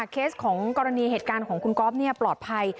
เคสของกรณีเหตุการณ์ของคุณก๊อฟปลอดภัย